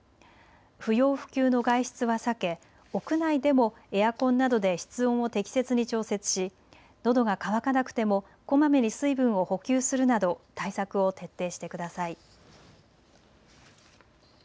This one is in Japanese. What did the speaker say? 不要不急の外出は避け屋内でもエアコンなどで室温を適切に調節しのどが渇かなくてもこまめに水分を補給するなど対策を徹底してください。